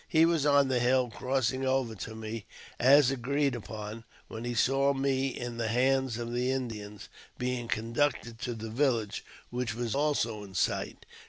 He was on the hill, crossing over to me as agreed upon, when he saw me in the hands of the Indians, being conducted to their village, which was also in sight.